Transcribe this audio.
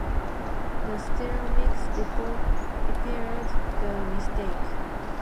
The stereo mix repaired the mistake.